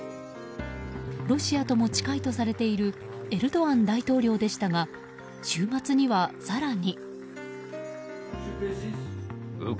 ロシアとも近いとされているエルドアン大統領でしたが週末には、更に。